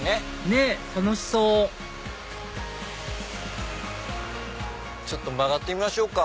ねぇ楽しそうちょっと曲がってみましょうか。